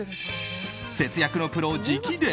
節約のプロ直伝！